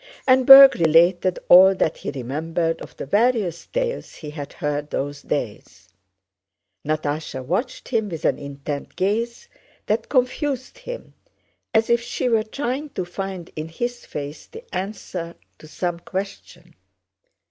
And Berg related all that he remembered of the various tales he had heard those days. Natásha watched him with an intent gaze that confused him, as if she were trying to find in his face the answer to some question.